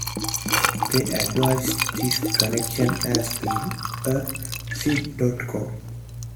They advertised this connection as being a "sit dot com".